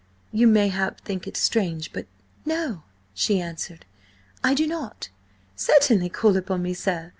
You, mayhap, think it strange–but—" "No," she answered. "I do not. Certainly call upon me, sir.